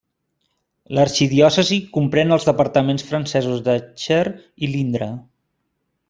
L'arxidiòcesi comprèn els departaments francesos de Cher i de l'Indre.